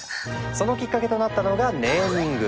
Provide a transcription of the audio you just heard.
そのきっかけとなったのがネーミング！